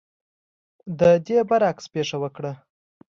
د دې برعکس پېښه وکړه.